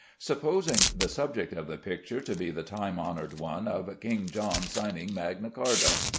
Supposing the subject of the picture to be the time honored one of "King John Signing Magna Charta."